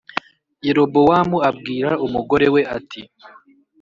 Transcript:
Yerobowamu abwira umugore we